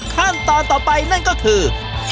ขั้นตอนต่อไปนั่นก็คือ